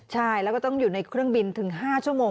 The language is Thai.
ใช่แล้วก็ต้องอยู่ในเครื่องบินถึง๕ชั่วโมง